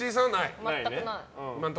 全くない。